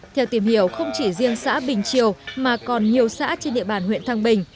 theo tìm hiểu không chỉ riêng xã bình triều mà còn nhiều xã trên địa bàn huyện thăng bình